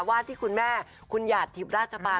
วาดที่คุณแม่คุณหยาดทิพย์ราชบาล